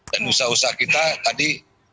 dan usaha usaha kita tadi